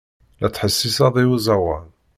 La ttḥessiseɣ i uẓawan.